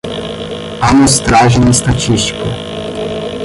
Amostragem estatística